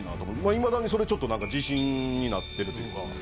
いまだにそれちょっと自信になってるというか。